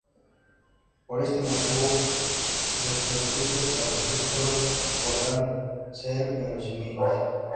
Por este motivo, nuestros juicios al respecto sólo podrán ser verosímiles.